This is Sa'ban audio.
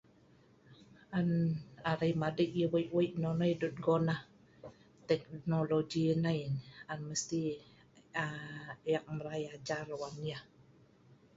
An arai madei yah wei-wei nonoi dut guna teknologi Nai. Mesti ek mrai ajar(padei ) wan yah